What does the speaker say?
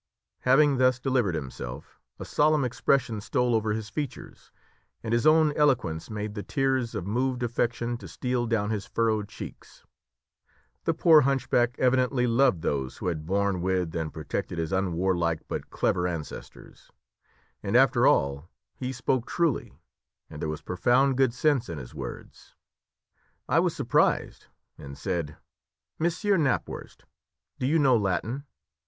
Having thus delivered himself, a solemn expression stole over his features, and his own eloquence made the tears of moved affection to steal down his furrowed cheeks. The poor hunchback evidently loved those who had borne with and protected his unwarlike but clever ancestors. And after all he spoke truly, and there was profound good sense in his words. I was surprised, and said, "Monsieur Knapwurst, do you know Latin?"